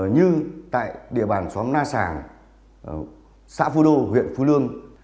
như tại địa bàn xóm na sàng xã phu đô huyện phú lương